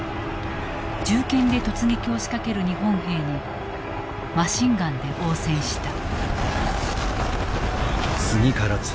銃剣で突撃を仕掛ける日本兵にマシンガンで応戦した。